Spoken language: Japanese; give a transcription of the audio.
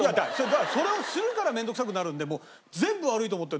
だからそれをするから面倒くさくなるんでもう全部悪いと思ってる。